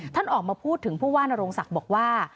ท่านออกมาพูดถึงผู้ว่านโรงศักดิ์บอกว่า